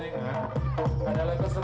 adalah kesedihan yang biasa